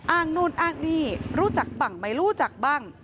อ้างนู่นอ้างนี่รู้จักบ้างไม่รู้จักบ้าง